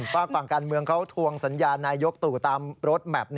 ฝากฝั่งการเมืองเขาทวงสัญญาณนายกตู่ตามรถแมพ